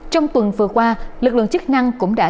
trong tuần vừa qua lực lượng chức năng cũng đã xử lý